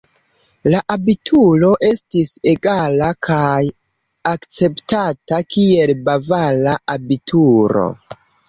La abituro estis egala kaj akceptata, kiel bavara abituro.